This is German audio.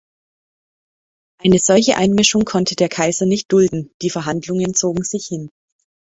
Eine solche Einmischung konnte der Kaiser nicht dulden, die Verhandlungen zogen sich hin.